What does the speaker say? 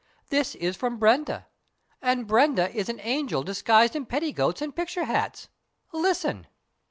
This is from Brenda, and Brenda is an angel disguised in petticoats and picture hats. Listen."